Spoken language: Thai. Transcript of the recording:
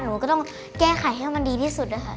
หนูก็ต้องแก้ไขให้มันดีที่สุด